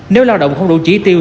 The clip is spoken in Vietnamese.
nếu lao động không đủ chỉ tiêu